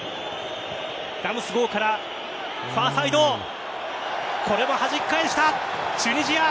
ダムスゴーからファーサイドこれもはじき返したチュニジア。